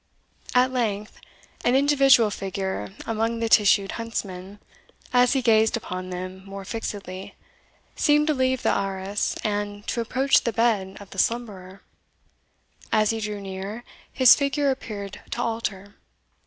At length an individual figure among the tissued huntsmen, as he gazed upon them more fixedly, seemed to leave the arras and to approach the bed of the slumberer. As he drew near, his figure appeared to alter.